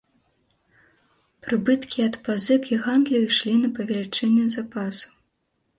Прыбыткі ад пазык і гандлю ішлі на павелічэнне запасаў.